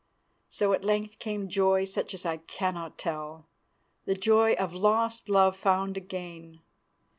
So at length came joy such as I cannot tell; the joy of lost love found again.